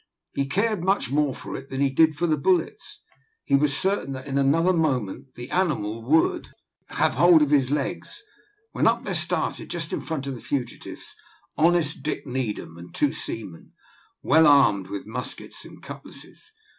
He cared much more for it than he did for the bullets. He was certain that in another moment the animal would have hold of his legs, when up there started, just in front of the fugitives, honest Dick Needham and two seamen, well armed with muskets and cutlasses.